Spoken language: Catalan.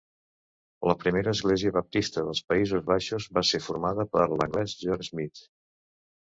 La primera església baptista dels Països Baixos va ser formada per l'anglès John Smyth.